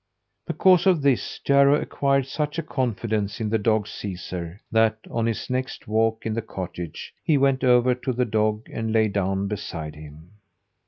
Because of this, Jarro acquired such a confidence in the dog Caesar, that on his next walk in the cottage, he went over to the dog and lay down beside him.